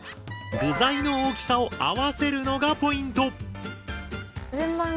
具材の大きさを合わせるのがポイント。